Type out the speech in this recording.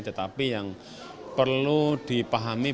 tetapi yang perlu dipahami